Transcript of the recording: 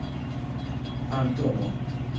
fantomo